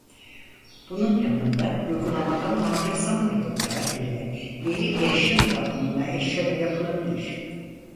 Bunun yanında uygulamadan mantıksal metotlar ile Veri Erişim Katmanına eşleme yapılabilir.